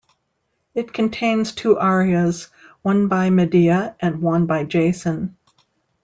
It contains two "arias", one by Medea and one by Jason.